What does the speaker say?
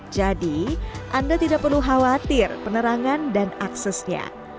jadi anda tidak perlu khawatir penerangan dan aksesnya